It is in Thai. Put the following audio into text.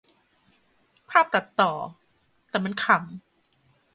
ภาพตัดต่อ แต่มันขำ